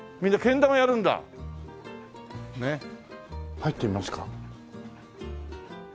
入ってみますか？